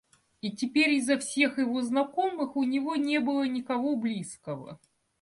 И теперь изо всех его знакомых у него не было никого близкого.